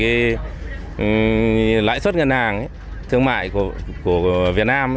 thì cái mặt bằng của cái lãi suất ngân hàng thương mại của việt nam